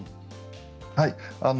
はい。